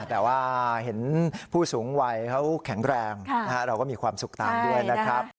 แต่ว่าเห็นผู้สูงวัยเขาแข็งแรงเราก็มีความสุขตามด้วยนะครับ